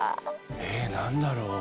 ええ何だろう？